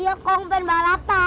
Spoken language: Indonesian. iya kong pengen balapan